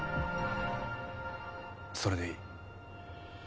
それでいい。